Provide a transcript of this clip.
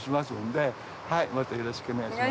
よろしくお願いします。